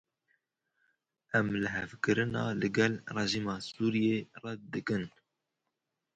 Em lihevkirina li gel rejîma Sûriyê red dikin.